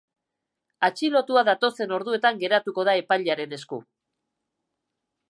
Atxilotua datozen orduetan geratuko da epailearen esku.